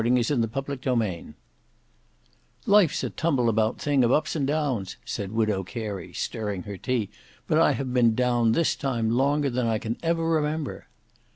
Book 6 Chapter 8 "Life's a tumbleabout thing of ups and downs," said Widow Carey stirring her tea, "but I have been down this time longer than I can ever remember."